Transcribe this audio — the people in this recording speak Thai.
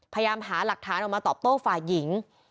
พยายามหาหลักฐานออกมาตอบโต้ฝ่ายหญิง